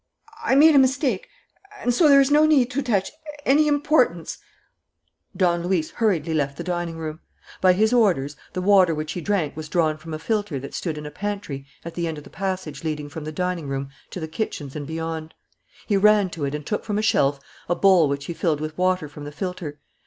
"I made a mistake. And so there is no need to attach any importance " Don Luis hurriedly left the dining room. By his orders, the water which he drank was drawn from a filter that stood in a pantry at the end of the passage leading from the dining room to the kitchens and beyond. He ran to it and took from a shelf a bowl which he filled with water from the filter.